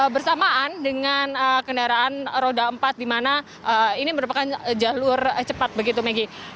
bersamaan dengan kendaraan roda empat di mana ini merupakan jalur cepat begitu megi